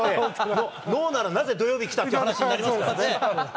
ＮＯならなぜ土曜日来たって話になりますからね。